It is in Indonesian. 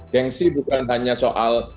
gengsi bukan hanya soal